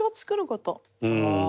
うん。